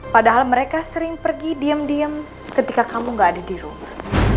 padahal mereka sering pergi diam diam ketika kamu gak ada di rumah